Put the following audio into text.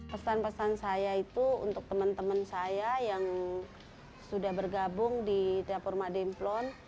pesan pesan saya itu untuk teman teman saya yang sudah bergabung di dapur mademplon